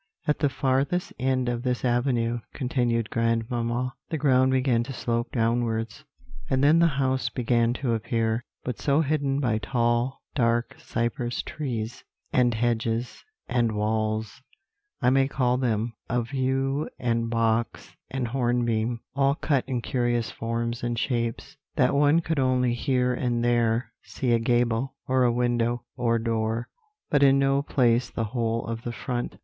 "At the farthest end of this avenue," continued grandmamma, "the ground began to slope downwards, and then the house began to appear, but so hidden by tall dark cypress trees, and hedges, and walls, I may call them, of yew and box and hornbeam, all cut in curious forms and shapes, that one could only here and there see a gable, or a window, or door, but in no place the whole of the front.